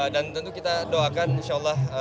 dan tentu kita doakan insyaallah